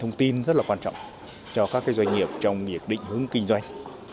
thông tin rất là quan trọng cho các doanh nghiệp trong việc định hướng kinh doanh